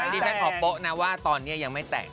นี่ฉันขอโป๊ะนะว่าตอนนี้ยังไม่แต่ง